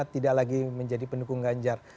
tidak lagi menjadi pendukung ganjar